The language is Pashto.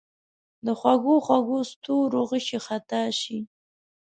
د خوږو، خوږو ستورو غشي خطا شي